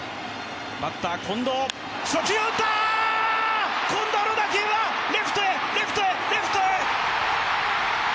初球を打った、近藤の打球はレフトへ、レフトへ、レフトへ！